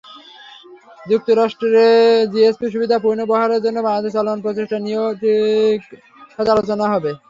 যুক্তরাষ্ট্রে জিএসপি-সুবিধা পুনর্বহালের জন্য বাংলাদেশে চলমান প্রচেষ্টা নিয়েও টিকফাতে আলোচনা হবে।